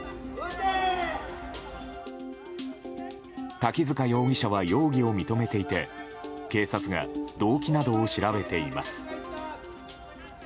滝塚容疑者は容疑を認めていて警察が動機などを調べています。